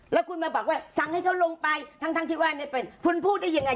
แล้วคุณมาบอกว่าสั่งให้เขาลงไปทั้งที่ว่าเนี่ยเป็นคุณพูดได้ยังไง